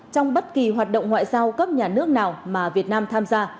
trong bất kỳ hoạt động ngoại giao cấp nhà nước nào mà việt nam tham gia